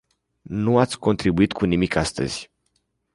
Nu ați contribuit cu nimic astăzi.